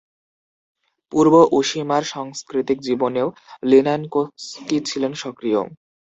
পূর্ব উশিমার সাংস্কৃতিক জীবনেও লিনানকোস্কি সক্রিয় ছিলেন।